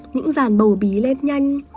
những ràn bầu bí lên nhanh